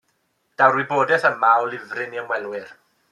Daw'r wybodaeth yma o lyfryn i ymwelwyr.